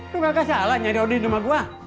lo gak kesalah nyari odi di rumah gue